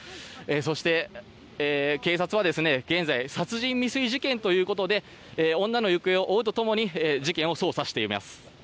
そして、警察は現在殺人未遂事件ということで女の行方を追うと共に事件を捜査しています。